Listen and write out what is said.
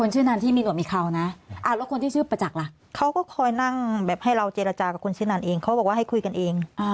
ชื่อถุงไปส่งอะนะต่าง